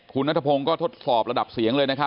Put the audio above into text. คุณนัทพงศ์ก็ทดสอบระดับเสียงเลยนะครับ